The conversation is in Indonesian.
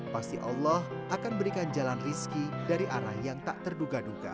pasti allah akan berikan jalan rizki dari arah yang tak terduga duga